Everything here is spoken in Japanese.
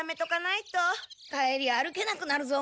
帰り歩けなくなるぞ。